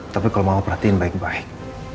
tapi kalau mau perhatiin baik baik